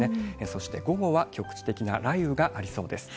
そして、午後は局地的な雷雨がありそうです。